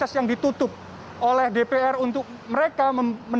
dan sangat banyaknya streetwear ikan